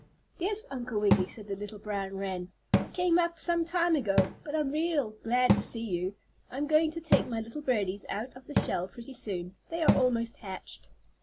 "Yes, Uncle Wiggily," said the little brown wren, "I came up some time ago. But I'm real glad to see you. I'm going to take my little birdies out of the shell pretty soon. They are almost hatched."